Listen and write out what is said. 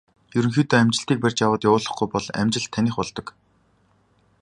Ерөнхийдөө амжилтыг барьж аваад явуулахгүй бол амжилт таных болдог.